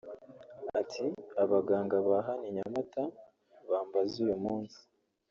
Ati “Abaganga ba hano [i Nyamata] bambaze uyu munsi